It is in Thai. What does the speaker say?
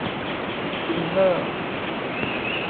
ทินเนอร์